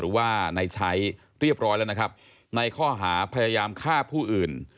หรือว่าในใช้เรียบร้อยแล้วนะครับในข้อหาพยายามฆ่าผู้อื่น